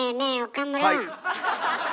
岡村。